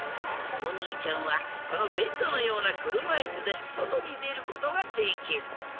おにいちゃんはこのベッドのようなくるまいすでそとにでることができる！